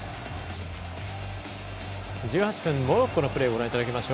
１８分モロッコのプレー。